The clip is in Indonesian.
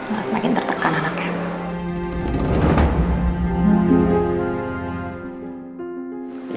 merasa makin tertekan anaknya